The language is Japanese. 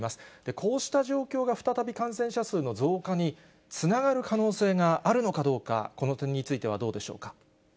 こうした状況が再び感染者数の増加につながる可能性があるのかどうか、この点についてはどうでしょうか。